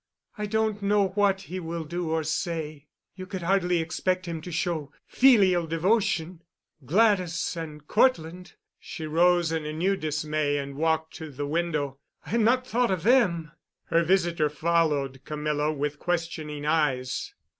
I don't know what he will do or say. You could hardly expect him to show filial devotion. Gladys and Cortland"—she rose in a new dismay and walked to the window—"I had not thought of them." Her visitor followed Camilla with questioning eyes.